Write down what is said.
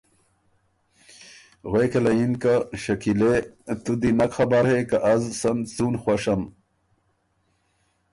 غوېکه له یِن که ”شکیلې! ـــ تُو دی نک خبر هې که از سن څُون خوشم۔